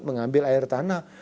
mengambil air tanah